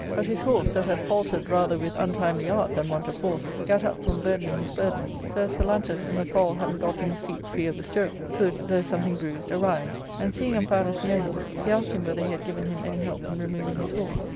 But his horse, that had faulted rather with untimely art than want of force, gat up from burdening his burden, so as Pha lantus, in the fall having gotten his feet free of the stirrup, could, though something bruised, arise, and seeing Amphialus near him, he asked him whether he had given him any help in removing his horse.